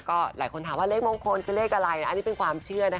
ก็หลายคนถามว่าเลขมงคลคือเลขอะไรอันนี้เป็นความเชื่อนะคะ